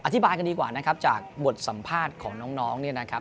อธิบายกันดีกว่านะครับจากบทสัมภาษณ์ของน้องเนี่ยนะครับ